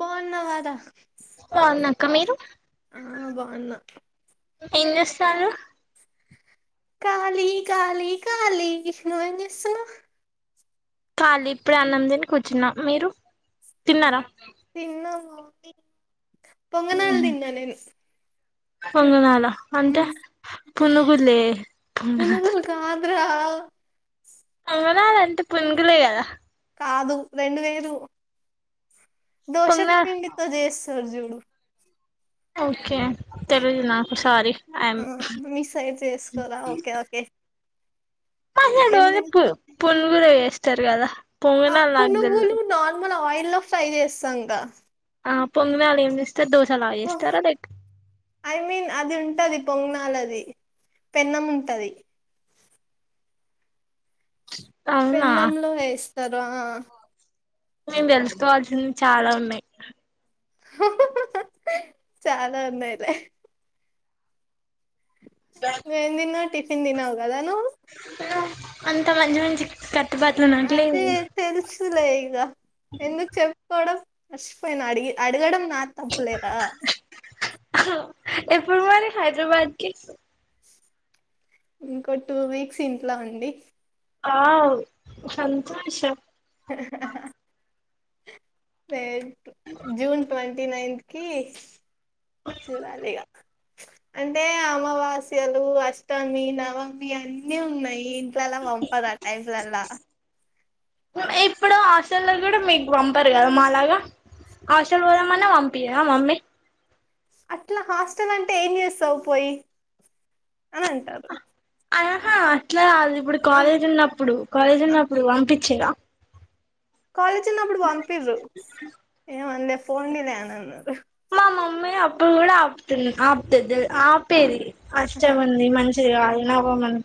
బాగున్నావా రా అక్క మీరు ఆ బాగున్న ఏం చేస్తుండ్రు ఖాళీ ఖాళీ ఖాళీ నువ్వు ఏం చేస్తున్నావ్ ఖాళీ ఇప్పుడే అన్నం తిని కూర్చున్నా మీరు తిన్నారా తిన్నా పొంగనాలు తిన్న నేను పొంగనాలు అంటే ఉమ్, పునుగులే పొంగనా ఆ పొంగనాలు అంటే పునుగులే కదా కాదు రెండు వేరు దోస పొంగనాలు పిండితో చేస్తా రు జుడు ఓకే తెలీదు నాకు సారీ ఆ యామ్ మీ సైడ్ చేసుకోరా ఓకే ఓకే ఏం తిన్ కోడపుల్ పునుగులు వేస్తారు కదా ఆప్ పొంగనాలు నాకు తెల్వదు పునుగులు నార్మల్ ఆయిల్ లో ఫ్రై చేస్తాంగా ఆ పొంగనాలు ఏం చెస్ ఐ మీన్ అది ఉంటంది పొంగనా నాలది పెనం ఉంటది అవునా పెన్నంలో వేస్తారు ఆ మేము తెలుసుకోవాల్సింది చాలా ఉన్నాయి హహ హా చాలా ఉన్నాయిలే నువ్వేం తిన్నావ్ టిఫిన్ తినవు కదా నువ్ ఆ అంత మంచి మంచి కట్ అదే తెలుసులే ఇగ ఎందుకు చెప్పుకోవడం మచిపోయినా అడిగి అడగడం నాది తప్పులేరా ఎప్పుడు మరి హైదరాబాదికే ఇంకో టూ వీక్స్ ఇంట్లో అండి వావ్ సంతోషం జూన్ ట్వంటి నైన్త్ కి చూడాలిగా అంటే అమావాస్యలు అష్టమి నవమి అన్ని ఉన్నాయి ఇంట్లల్ల పంపదు ఆ టైమ్లల్ల ఇప్పుడు హాస్టలో కూడా మీకు పంపరు కదా మాలాగా హాస్టల్ పోదామన్న పంపియ్యదా మమ్మీ అట్లా హాస్టల్ అంటే ఏం చేస్తావ్ పోయి అని అంటారు ఆహా అట్లా కాదు ఇప్పుడు ఆ కాలేజ్ ఉన్నప్పుడు కాలేజ్ ఆ ఉన్నప్పుడు పంపించిన్రా కాలేజ్ ఉన్నప్పుడు పంపిన్రు ఏమనలే పొండిలే అని అన్నారు అమ్మే అప్పుడు కూడా ఆపుతుంది ఆపుతది ఆపేది అష్టం ఉంది మంచి కాదు నవమని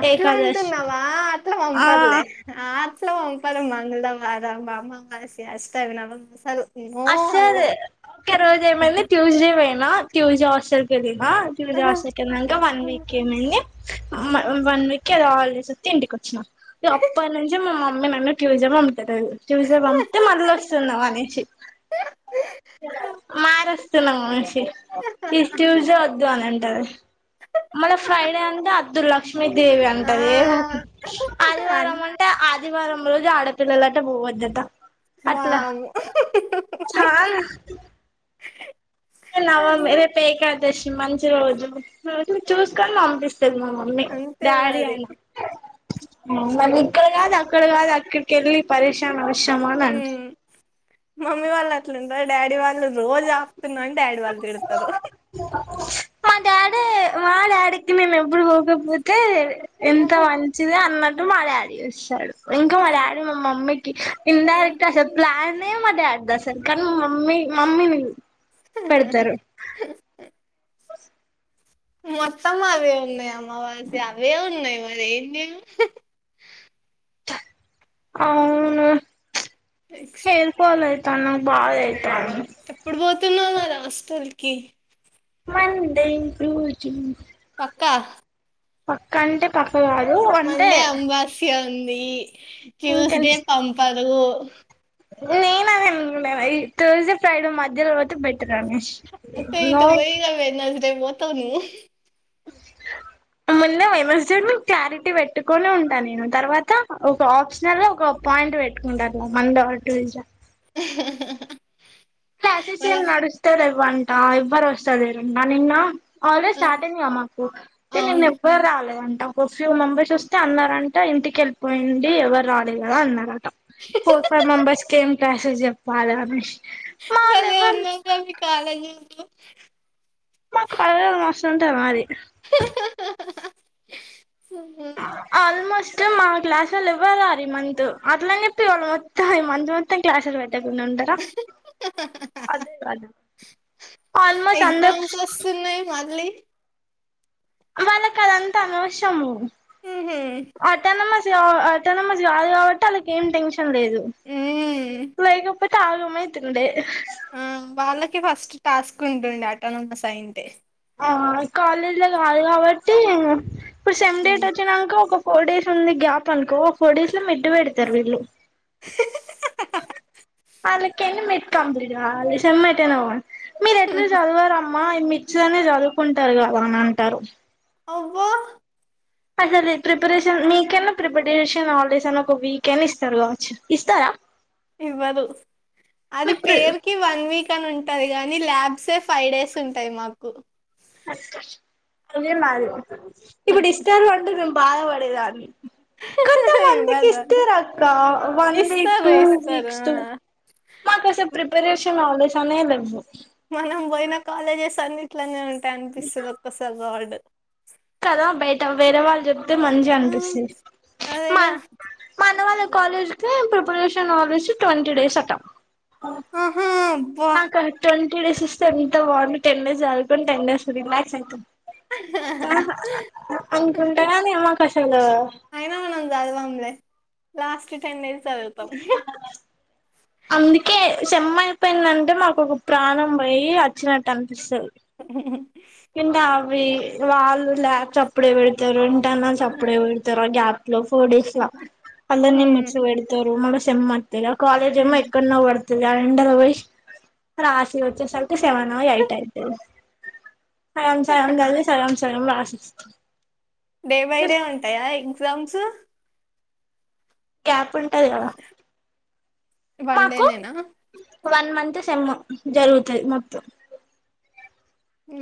అట్లా అంటున్నావా అట్లా ఆ పంపదులే ఆ పంపదు మంగళవారం అమావాస్య అష్టమి నవమి అసలు నో అస్సలు అల్లం ఒక రోజు ఏమైంది ట్యూస్డే పోయినా ట్యూస్డే హాస్టల్కెలిన ఆ ట్యూస్డే హాస్టల్ కి ఎల్లినంక వన్ వీక్ ఏమైంది వన్ వీక్ ఏదో హాలిడేస్ యిస్తే ఇంటికొచ్చిన ఇగ అప్పటినుంచి మా మమ్మీ నన్ను ట్యూస్డే పంపి ట్యూస్డే పంపితే మళ్ళా వస్తున్నావు అనేసి స్తున్న మనిషి ఈ ట్యూస్డే వద్దు అని అంటది మళ్ళ ఫ్రైడే అంటె అద్దుల లక్ష్మీదేవి ఆ అంటది ఏదో అన్ ఆదివారం అంటే ఆది ఆదివారం రోజు ఆడపిల్లలట పోవద్దట అట్లా వామ్మో చాలా నవమి రేపు ఏకాదశి మంచి రోజు చూసుకొని పంపిస్తా స్థది మా మమ్మీ అంతే డాడీ మరి అయిన మళ్ళ ఇక్కడ కాదు అక్కడ కాదు అక్కడికెళ్లి పరీషాన్ అవసరమా అని అంటది ఉమ్. మమ్మీ వాళ్ళు అట్లు ఉండరు డాడీ వాళ్ళు ఉ రోజు ఆపుతున్నవ్ అని డాడీ వాళ్ళు తిడతరు మా డాడీ మా డాడికి నేను ఎప్పుడు పోకపోతే ఎంత మంచిది అన్నట్ మా డాడీ చూస్తడు ఇంక మా డాడీ మా మమ్మీకి ఇండైరెక్ట్ గా అసలు ప్లాన్ నే మా డాడీ ది అసలు కానీ మమ్మీ మమ్మీని పెడతారు మొత్తం అవే ఉన్నాయి అమ్మవాస్యా అవే ఉన్నాయి మరి ఏం చేయను అవును నెక్స్ట్ హెర్ ఫాల్ అయితాంది బాగా అయితాంది ఎప్పుడు పోతున్నవ్ మరి హాస్టల్ కి మండే ట్యూస్ కా పక్క అంటే పక్క కాదు అంటే మండే అమావాస్య ఉంది ట్యూస్డే పంపరు నేనా న ఈ థర్స్డే ఫ్రైడే మధ్యలో వవ బట్ రమేష్ అదే పోస్తావా నువ్వు [inaudible] ముంద వైఎస్ క్లారిటీ పెట్టుకుొనే ఉంటా నేను తర్వాత ఒక ఆప్షనల్ ఒక పాయింట్ పెట్టుకుంటా మండే ఆర్ ట్యూస్డే [unintelligible] క్లాసెస్ ఏం మళ్ళా నడుస్తంది ఇవ్వంట ఎవ్వరు వస్తంది ఎరన్నా నిన్న ఆల్రెడీ స్టార్ట్ అయింది కదా మాకు అయితే నిన్న అవును ఎవరు రాలేదండి ఒక ఫ్యూ మెంబర్స్ వస్తే అన్నారంట ఇంటికి వెళ్ళిపోయింది ఎవరు రాలేదు కదా అన్నార ఫోర్ ఫైవ్ మెంబర్స్ క ఏం క్లాసెస్ చెప్పాలా అని భలే ఉంది కదా మీ కాలేజీలో మా కాలేజ్ మస్తు ఉంటది మరి ఆల్మోస్ట్ మా క్లాసులు ఇవ్వాల అర మంత్ అట్లాని చెప్పి వాళ్ళ మొత్తం అ మంత్ మొత్తం క్లాస్లు పెారు కుంట ఉంటారా అదే కదా ఆల్మోస్ట్ అందరూ ఎగ్జామ్స్ వస్తున్నాయి మళ్ళీ వాళ్లకు అదంతా అనవసరము ఉహు, అట్టానమస్ అటానమస్ కాదు కాబట్టి వాళ్లకేం టెన్షన్ లేదు ఉమ్, ఇప్పటికీ ఆగం అవుతుంది ఆ వాళ్ళకిే ఫస్ట్ టాస్క్ ఉంటుంది అటోనమస్ అయ్యి ఉంటే ఆ కాలేజ్ లో కాదు కాబట్టి ఇప్పుడు సేమ్ డేట్ ఉమ్. వచ్చాక ఒక ఫోర్ డేస్ ఉంది గ్యాప్ అనుకోఓ ఫోర్ డేస్ లో మిడ్టు పెడతారు వీళ్ళు వాళ్లకేమో మిడ్ కంప్లీట్ కావాలి సెం ఎటైనా పోనీ మీరు ఎట్లా చదువారమ్మా ఈ మిచిగానే చదువుకుంటారు కదా అని అంటారు అవ్వ అసలు ప్రిపరేషన్ మీకనా ప్రిపరేషన్ హాలిడేస్ అని ఒక వీక్ అనా ఇస్తారు కావచ్చు ఇస్తారా ఇవ్వరు అది మీకు పేరుకి వన్ వీక్ అని ఉ ఉంటది కాగానీ ల్యాబ్సే ఫైవ్ డేస్ ఉంటాయి మాకు అదే మరి ఇప్పుడు ఇస్తారు అంటే మేము బాధ పడేదాన్ని కొంతమందికి ఇవ్వదా ఇస్తారు అక్క వన్ వీక్ ఇస్తారు టు టు ఇస్తారు వీక్స్ ఆ మాకు అసలు ప్రిపరేషన్ హాలిడేస్ అనేవి లేవు మనం పోయిన కాలేజెస్ అన్ని ఇట్లనే ఉంటాయి అనిపిస్తుది ఒక్కసారి రాడ్ కదా బయట వేరే వాళ్ళు చెప్తే మంచిగా ఆ అనిపిస్తుంది మ అదేగా మన వాళ్ళ కాలేజ్ క ప్రిపరేషన్ ఆలోి ట్వంటీ డేస్ ఆహా అబ్బా నాకు ట్వంటీ డేస్ ఇస్తే ఎంత బాగుంటంది టెన్ డేస్ చదుకుొని టెన్ డేస్ రిలాక్స్ అవుతాం అనుకుంటా గని మాకు అసలు అయినా మనం చదవంలే లాస్ట్ టెన్ ఇడేర్స్ చదుతాం అందుకే సెం అయిపోయిందనుకో మాకు ఒక ప్రాణం పోయి వచ్చినట్టు అనిపిస్తుంది [inaudible] కింట అవి వాళ్ళు చప్పుడే వెడతారు ఇంటన్న చప్పుడే వెడతారు గ్యాప్ లో ఫోర్ డేస్ అందులోనే హ్మ్ మీట్స్ పెడతారు మల్లా ఇగ కాలేజ్ ఏమో హ్మ్ ఎక్కన్నో పడుతది ఆ ఎండల పోయి రాసి వచ్చేసర్ సెవెన్ ఎయిట్ అయితది సగం సగం సాధివి సగం సగం రాసిస్త డే బై డే ఉంటాయా ఎగ్జామ్స్ క్యాప్ ఉంటది కదా వన్ మాకు డేనేనా వన్ మంత్ సెమ్ జరుగుతది మొత్తం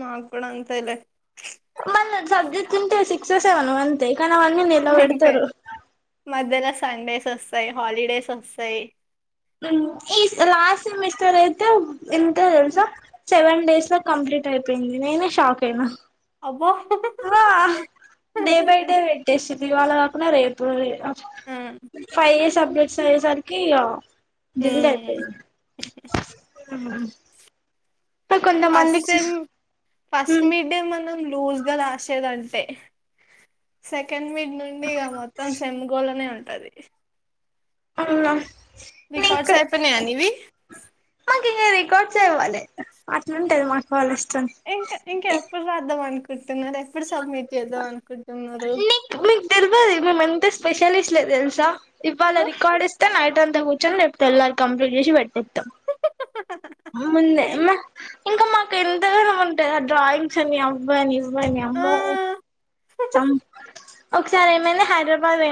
మాకూడా అంతేలే సబ్జెక్ట్స్ ఉంటే సిక్స్ సెవెన్ అంతే కానీ అవన్నీ అంతే నిలబెడతారు మధ్యల సండేసోస్తాయి హాలిడేసోస్తాయి ఈ లాస్ట్ సెమస్టర్ అయితే ఎంత తెల్సా సెవెన్ డేస్ల కంప్లీట్ టైపోఇందినీ నేనే షాక్ అయినా అబ్బా ఆ డే బై పెట్టేసింది ఇవాళ కాకున్న రేపు ఆ ఫై ఇయర్స్ అప్డేట్స్ అయ్యే సరికి ఇగ జల్ల్దైపోయింది ఫస్ట్ సెమ్ ఫస్ట్ మిడ్డే మన లూజ్గా రాసేదంతే సే కెన్ మీడ్ నుండి ఇగ మొత్తం సేమ్ గోలానే ఉంటది అవునా రికార్డస్ నీకు అయిపొనయా నివి రికడ్స్ చదవాలె అట్లుంటది మ కాలేజ్ మన్పాలీ ఇంక ఇంక ఎప్పుడు రాద్దాం అనుక్ అనుకుంటున్నారు మీక్ మీకు తెల్వది మీమెంత స్పెషలిస్ట్లే తెల్సా ఇవల ఆ రికార్డ్ ఇస్తె నై ట్అంతా కూర్చొని రేపు తెల్లారి కంప్లీట్ చేషి పెట్టేత్తం ముందే మో ఇంక మాకు ఎంతగనం ఉంటయ్ ఆ డ్రాయింగ్స్ అని అవ్వనీఇవ్వనీ అమ్ ఆ, సం ఒకసారి ఏమైంది హైదరాబాద్ పో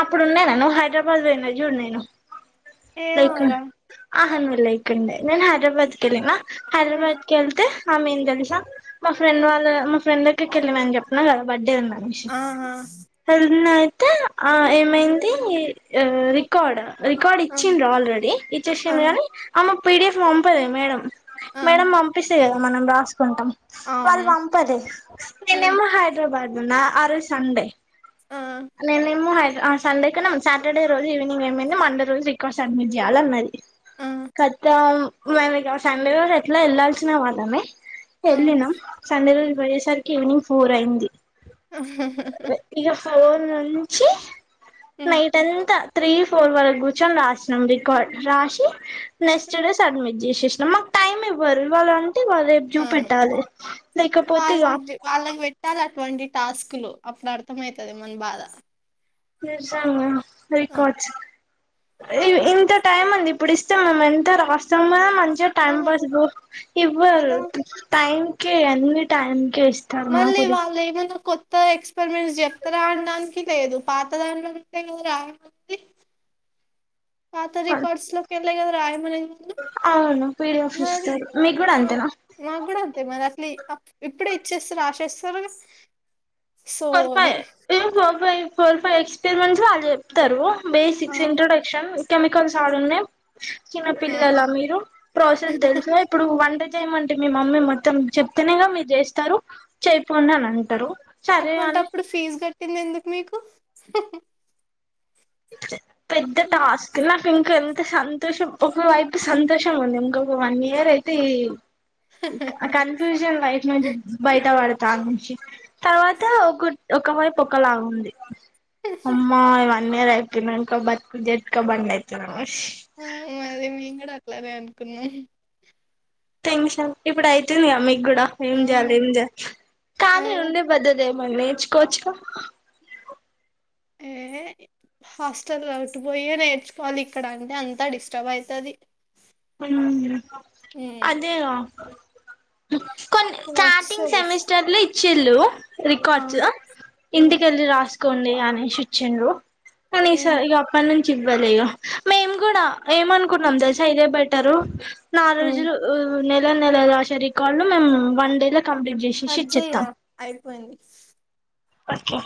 అప్పుడుండేన నువ్ హైదరాబాద్ పోయిన చూడు నేను ై ఏమోరా ఆహ నిన్ లేకుండే నేను హైదరాబాద్ కెళ్ళిన హైదరాబాద్ కేళ్తే ఏమైంది తెలుసా మా ఫ్రెండ్ వాళ్ళ మా ఫ్రెండ్ డే కేళ్ళినమని చెప్పిన కదా బర్త్డే ఉందని ఆ ఆ [unintelligible] తే ఆ ఏమైంది ఆ రికార్డ్ రికార్డ్ ఇ ఆ ఇచ్చిండ్ ఆల్రెడీ ఇచ్చేషిండ్రు గాని ఆమెక్ పిడిఎఫ్ పంపలేదు మేడం ఆ మేడం పంపిస్తే కద మనం రాసుకుంటాం వాళ్ళు అవును పంపదు నేనేమో హైదరాబాద్ ఉన్న ఆ రోజు సండే ఆ నేనేమొ హై ఆ సండే కన్నా సాటర్డే రోజు ఈవినింగ్ ఏమైంది మండే రోజు రికార్డ్స సబ్మిట్ చేయాలే అన్నది కతం మనకి సండే రోజు ఎట్లా వెళ్లాల్సినవాళ్ళమే ఆ వెళ్ళినం సండే రోజు పోయేసరికి ఈవినింగ్ ఫోర్ అయింది ఆ ఇక ఫోర్ నుంచి ఆ నైట్ అంతా త్రీ ఫోర్ వరకు కు రాసినం రికార్డ్ రాషి నెక్స్ట్ డే సబ్మిట్ చేశేషనం మక్ టైమ్ ఇవ్వరు ఇవ్వళ అం తే వాల్ రేపు జూ ఆ పెట్టాలే లైకపోతే ఇగ వాళ్ళకి వాళ్ళకి పెట్టాలి అటువంటి టాస్క్ లు అప్పుడు అర్థమైతది మన బాధ చేసాము ఆ రికార్డ్స్ ఇ ఇంత టైం ఉంది ఇప్పుడు ఇస్తే మేం ఎంత రాస్తామ మంచిగా ఆ, టైం పాస్ ఇవ్వరు కదా టైం కే అన్ని టైమ్ కే ఇస్తారు మాకుది ఎత్త ఎక్స్పరిమెంట్ చెప్త రాఅన్నడానికి లేదు పాత దాండ అంటే కదా రావంది [unintelligible] పాత రికార్డ్స్ లోకేల్లేగదారాయ మనే అవును పీడిఎఫ్ మరి ఇస్తారు మీకు కూడా అంతేనా మాగ్గూడ అంతే మరి అసలీ ఇప్పుడే ఇచ్చేసీరాసేస్తార four five four five four five experiments వాళ్ళు చెప్తరు ఆ బేసిక్స్ ఇంట్రడక్షన్ కెమికల్స్ ఆడున్ ఆ చిన్నపిల్లల మీరు ప్రాసెస్ తెలిసి ఇప్పుడు వన్డే చేయమంటే మీ మమ్మీ మొత్తం చెప్తేనేగా మీరు చేస్తారు చెయపోండి అని అంటరు అటువంటఅప్పుడు ఫీజు కట్టింది ఎందుకు మీకు పెద్ద టాస్క్ నాకు ఇంక అ సంతోషం ఒక వైపు సంతోషం ఉంది ఇంకొక వన్ ఇయర్ అయితే ఈ కన్ఫ్యూజన్ లైఫ్ నుంచి బయట పడు దానుంచి తర్వాత ఒక ఒక వైపు ఒకలాగ ఉంది అమ్మా వన్ ఇయర్ అయిపోనంక బత్కు జెడ్క బండి అయితు నా ఆ మరి మేము కూడా అట్లానే అనుకున్నాం టెన్షన్ ఇప్పుడు అయితుందిగా మీకు కూడా ఏం ఆ చెయాలి ఏం చేయాలి ఆ ఖాలీ ఉండే పెద్దదే మరి నేర్చుకోవచ్చుగా ఏ హాస్టల్ లోటి పోయే నేర్చుకోవాలి ఇక్కడ అంటే అంతా డిస్టర్బ్ అయితది ఊ అదేగా కొన్ని వాట్స్ స్టార్టింగ్ సెమిస్టర్లో ఇచ్చిళ్ళు ఆ రికార్డ్స్ ఉమ్ ఇంటికెళ్ళి రాసుకోండి అనేషి ఇచ్చిండ్రు ఉమ్ కానీసారి ఇగ అప్పటి నుంచి ఇవ్వలేగ మేము గూడా ఏమ అనుకున్నాం తెలుసా ఇదే బట్ నా ఉమ్ రోజ్లు నెలల్ నెలల్ రాసే రికార్డ్ మేము వన్ డేలో కంప్లీట్ చేసేసి కట్ ఇచ్చేత్తాం చేయరా అయిపోయింది ఓకే